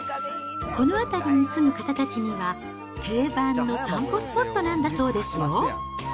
この辺りに住む方たちには、定番の散歩スポットなんだそうですよ。